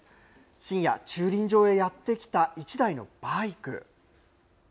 深夜、駐輪場へやって来た１台のバイクです。